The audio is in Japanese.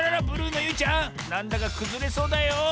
ブルーのゆいちゃんなんだかくずれそうだよ。